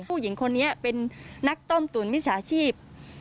ผู้หญิงคนนี้เป็นนักต้มตุ๋นมิจฉาชีพ